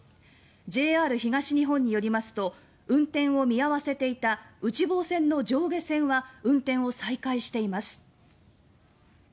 ＪＲ東日本によりますと運転を見合わせていた内房線の上下線は、運転を再開しています。